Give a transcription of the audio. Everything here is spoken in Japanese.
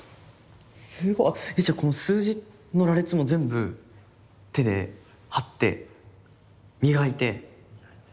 すごあっえじゃあこの数字の羅列も全部手で貼って磨いて。